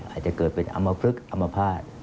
อาจจะเกิดเป็นอมภึกอมภาพ